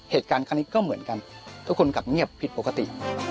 เหตุการณ์ครั้งนี้ก็เหมือนกันทุกคนกลับเงียบผิดปกติ